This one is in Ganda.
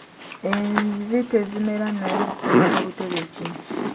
Envi tezimera naye zitobeka butobesi.